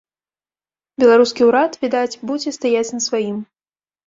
Беларускі ўрад, відаць, будзе стаяць на сваім.